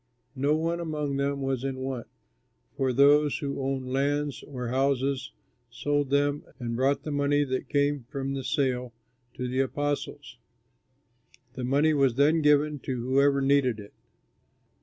No one among them was in want, for those who owned lands or houses sold them and brought the money that came from the sale to the apostles. The money was then given to whoever needed it.